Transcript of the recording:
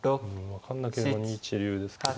分かんなければ２一竜ですけど。